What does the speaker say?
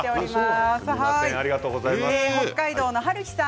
北海道の方。